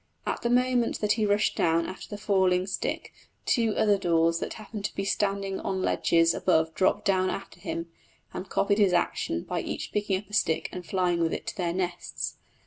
At the moment that he rushed down after the falling stick two other daws that happened to be standing on ledges above dropped down after him, and copied his action by each picking up a stick and flying with it to their nests.